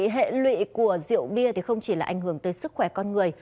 hệ lụy của rượu bia không chỉ là ảnh hưởng tới sức khỏe con người